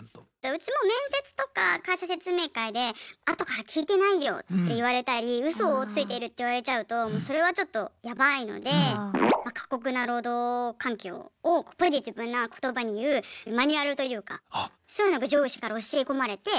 うちも面接とか会社説明会で後から聞いてないよって言われたりウソをついてるって言われちゃうとそれはちょっとヤバいので過酷な労働環境をポジティブな言葉に言うマニュアルというかそういうのが上司から教え込まれて。